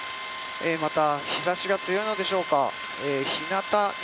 また、日差しが強いのでしょうか